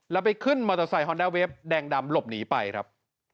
แล้วไปขึ้นมอเตอร์ไซคอนด้าเวฟแดงดำหลบหนีไปครับ